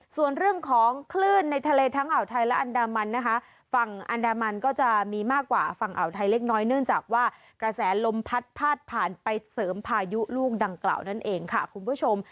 ส่วนเรื่องของคลื่นในทะเลทั้งอ่าวไทยและอันดามันนะคะฝั่งอันดามันก็จะมีมากกว่าฝั่งอ่าวไทยเล็กน้อยเนื่องจากว่ากระแสลมพัดพาดผ่านไปเสริมพายุลูกดังกล่าวนั่นเองค่ะคุณผู้ชม